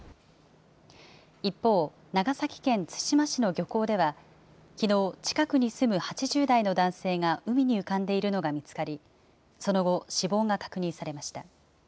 一方、長崎県対馬市の漁港では、きのう、近くに住む８０代の男性が海に浮かんでいるのが見つかり、その後、死亡が確認されました。